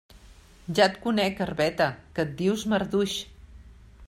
Ja et conec, herbeta, que et dius marduix.